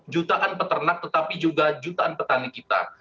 jutaan peternak tetapi juga jutaan petani kita